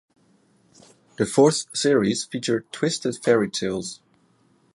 The fourth series featured Twisted Fairy Tales.